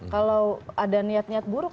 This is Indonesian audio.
kalau ada niat niat buruk